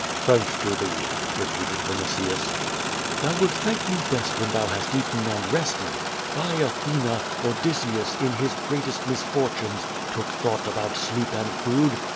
xThanks to thee," rei)oated Vinitius. "Thou will thank me best when thou hast eaten and rested. By Athene, Odysseus, in his greatest misfortunes, took thought about sleep and food.